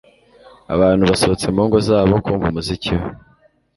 abantu basohotse mu ngo zabo kumva umuziki we